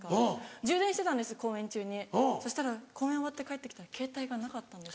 充電してたんです公演中にそしたら公演終わって帰って来たらケータイがなかったんです。